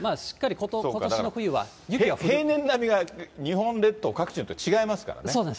平年並みは日本列島各地によって違いますからね。